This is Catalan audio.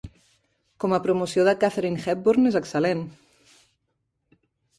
Com a promoció de Katharine Hepburn, és excel·lent.